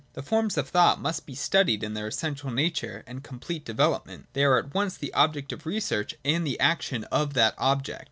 The forms of thought must be studied in their essential nature and complete development : they are at once the object of research and the action of that object.